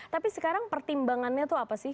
tapi sekarang pertimbangannya itu apa sih